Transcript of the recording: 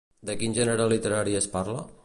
De quin gènere literari es parla?